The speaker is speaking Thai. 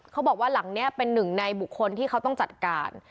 เขาบอกว่าหลังนี้เป็นหนึ่งในบุคคลที่เขาต้องจัดการ